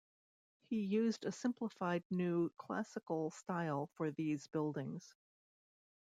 He used a simplified new-classical style for these buildings.